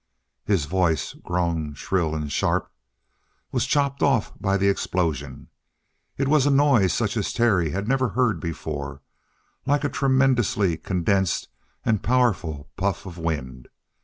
His voice, grown shrill and sharp, was chopped off by the explosion. It was a noise such as Terry had never heard before like a tremendously condensed and powerful puff of wind.